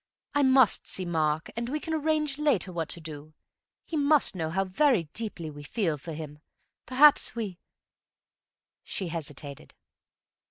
I must see Mark, and we can arrange later what to do. He must know how very deeply we feel for him. Perhaps we—" she hesitated.